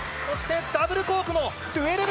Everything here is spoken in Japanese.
そしてダブルコークの１２６０。